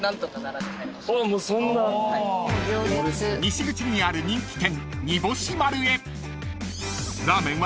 ［西口にある人気店］